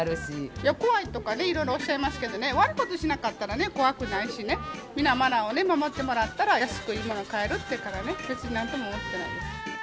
いや、怖いとかいろいろおっしゃいますけどね、悪いことをしなかったらね、怖くないしね、皆マナーを守ってもらったら、安くいいものを買えるからね、別になんとも思ってないです。